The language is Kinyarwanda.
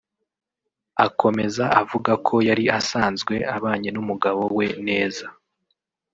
Akomeza avuga ko yari asanzwe abanye n’umugabo we neza